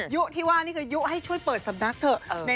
ยุที่ว่านี่คือยุให้ช่วยเปิดสำนักเถอะ